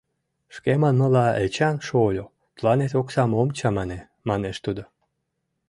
— Шке манмыла, Эчан шольо, тыланет оксам ом чамане, — манеш тудо.